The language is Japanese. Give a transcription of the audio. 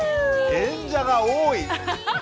演者が多い。